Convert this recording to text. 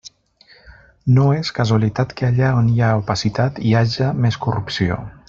No és casualitat que allà on hi ha opacitat hi haja més corrupció.